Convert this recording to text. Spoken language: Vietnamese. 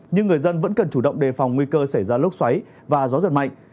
nhưng người dân vẫn cần chủ động đề phòng nguy cơ xảy ra lốc xoáy và gió giật mạnh